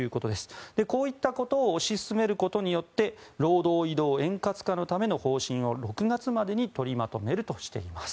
こうしたことを推し進めることによって労働移動円滑化のための方針を６月までに取りまとめるとしています。